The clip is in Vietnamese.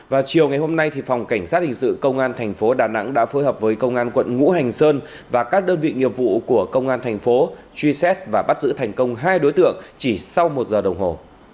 vào chiều ngày hôm nay phòng cảnh sát hình sự công an thành phố đà nẵng đã phối hợp với công an quận ngũ hành sơn và các đơn vị nghiệp vụ của công an thành phố truy xét và bắt giữ thành công hai đối tượng chỉ sau một giờ đồng hồ